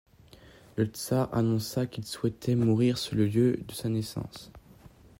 Le tsar annonça qu'il souhaitait mourir sur le lieu de sa naissance.